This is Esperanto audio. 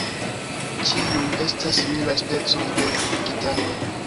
Ĉiuj estas similaj specoj de gitaroj.